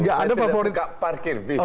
saya tidak suka parkir bis